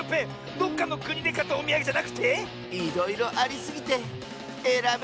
どっかのくにでかったおみやげじゃなくて⁉いろいろありすぎてえらべなかったのさ！